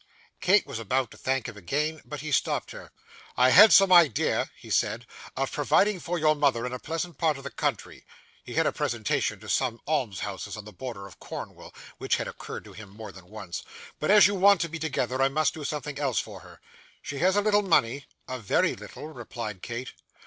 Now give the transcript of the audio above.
Kate was about to thank him again, but he stopped her. 'I had some idea,' he said, 'of providing for your mother in a pleasant part of the country (he had a presentation to some almshouses on the borders of Cornwall, which had occurred to him more than once) but as you want to be together, I must do something else for her. She has a little money?' 'A very little,' replied Kate.